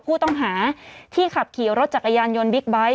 ผู้ต้องหาที่ขับขี่รถจักรยานยนต์บิ๊กไบท์